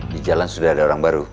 di jalan sudah ada orang baru